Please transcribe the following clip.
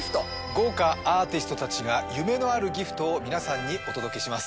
豪華アーティストたちが夢のあるＧＩＦＴを皆さんにお届けします